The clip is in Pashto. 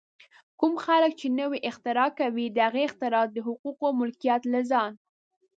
کوم خلک چې نوې اختراع کوي، د هغې اختراع د حقوقو ملکیت له ځان